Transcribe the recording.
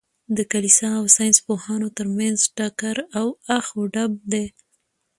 د کلیسا او ساینس پوهانو تر منځ ټکر او اخ و ډب دئ.